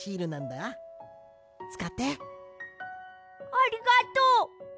ありがとう！